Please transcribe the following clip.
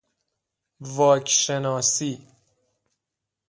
واک شناسی